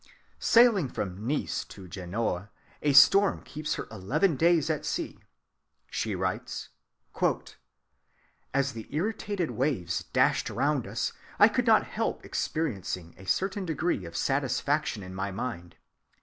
Sailing from Nice to Genoa, a storm keeps her eleven days at sea. "As the irritated waves dashed round us," she writes, "I could not help experiencing a certain degree of satisfaction in my mind.